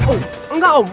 oh enggak om